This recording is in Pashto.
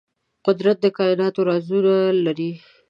قدرت د کائناتو رازونه لري.